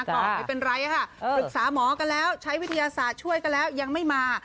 ไม่เป็นไรค่ะปรึกษาหมอกันแล้วใช้วิทยาศาสตร์ช่วยกันแล้วยังไม่มา